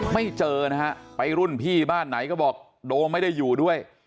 ไม่เจอนะฮะไปรุ่นพี่บ้านไหนก็บอกโดมไม่ได้อยู่ด้วย